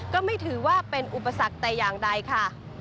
ก็ไม่ถือว่าเป็นอุปสรรคแต่อย่างใดค่ะ